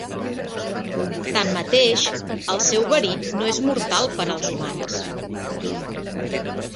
Tanmateix, el seu verí no és mortal per als humans.